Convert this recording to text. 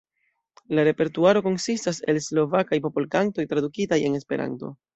La repertuaro konsistas el Slovakaj popolkantoj tradukitaj en Esperanto.